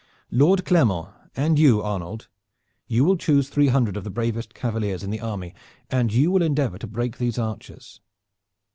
Lord Clermont, and you, Arnold, you will choose three hundred of the bravest cavaliers in the army and you will endeavor to break these archers.